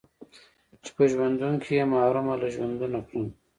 چې په ژوندون کښې يې محرومه له ژوندونه کړمه